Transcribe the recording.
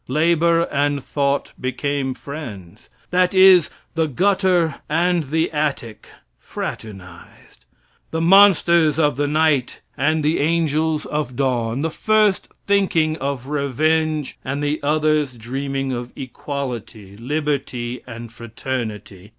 Labor and thought became friends. That is, the gutter and the attic fraternized. The monsters of the night and the angels of dawn the first thinking of revenge and the others dreaming of equality, liberty and fraternity.